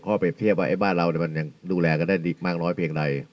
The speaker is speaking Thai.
เอาไปเทียบว่าไอ้บ้านเรามันยังดูแลกันได้ดีมากน้อยเพียงใด